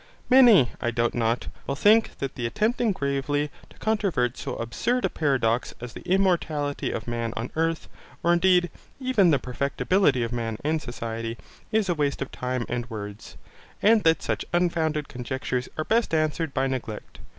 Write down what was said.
Many, I doubt not, will think that the attempting gravely to controvert so absurd a paradox as the immortality of man on earth, or indeed, even the perfectibility of man and society, is a waste of time and words, and that such unfounded conjectures are best answered by neglect.